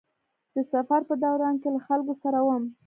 د سفر په دوران کې له خلکو سره وم.